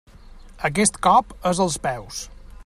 Aquest cop és als peus.